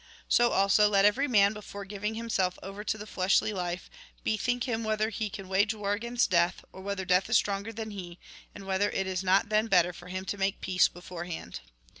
So also, let every man, before giving himself over to the fleshly life, bethink him whether he can wage war against death, or whether death is stronger than he ; and whether it is not then better for him to make peace beforehand.